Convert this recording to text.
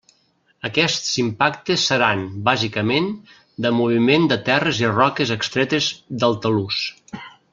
Aquests impactes seran, bàsicament, de moviment de terres i roques extretes del talús.